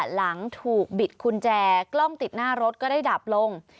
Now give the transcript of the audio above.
หลังถูกบิดกุญแจกล้องติดหน้ารถก็ได้ดับลง